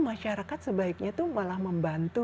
masyarakat sebaiknya tuh malah membantu